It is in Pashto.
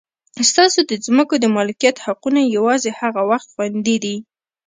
ستاسو د ځمکو د مالکیت حقونه یوازې هغه وخت خوندي دي.